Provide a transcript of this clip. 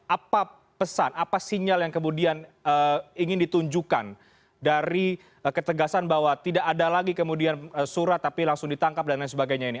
apa pesan apa sinyal yang kemudian ingin ditunjukkan dari ketegasan bahwa tidak ada lagi kemudian surat tapi langsung ditangkap dan lain sebagainya ini